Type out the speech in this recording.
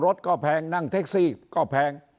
รถก็แพงนั่งแท็กซี่ก็แพง